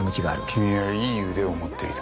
君はいい腕を持っている。